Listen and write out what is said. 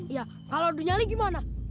iya kalau adu nyali gimana